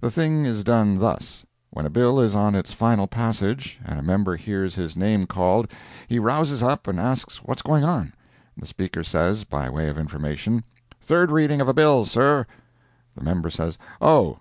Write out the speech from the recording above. The thing is done thus: When a bill is on its final passage, and a member hears his name called, he rouses up and asks what's going on? The Speaker says, by way of information, "Third reading of a bill, sir." The member says, "Oh!